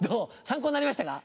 参考になりましたか？